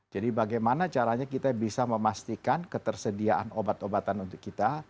jadi bagaimana caranya kita bisa memastikan ketersediaan obat obatan untuk kita